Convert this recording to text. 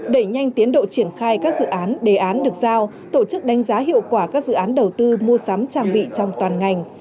đẩy nhanh tiến độ triển khai các dự án đề án được giao tổ chức đánh giá hiệu quả các dự án đầu tư mua sắm trang bị trong toàn ngành